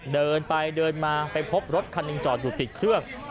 เดินไปเดินมาไปพบรถคันหนึ่งจอดอยู่ติดเครื่อง